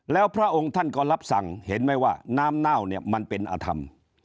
แล้วพระองค์ท่านก็รับสั่งเห็นไหมว่าน้ำเน่าเนี่ยมันเป็นอธรรม